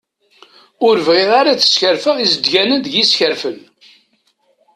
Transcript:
Ur bɣiɣ ara ad skerfen izeddganen deg yiskerfen.